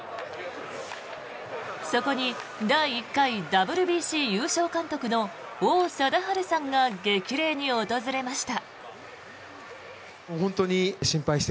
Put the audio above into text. そこに第１回ＷＢＣ優勝監督の王貞治さんが激励に訪れました。